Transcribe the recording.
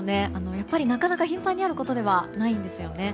やっぱりなかなか頻繁にあることではないんですよね。